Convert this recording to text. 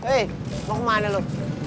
eh mau kemana lu